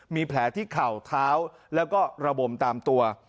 มีแผลที่เข่าเท้าแล้วก็ระบมตามตัว